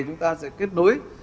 chúng ta sẽ kết nối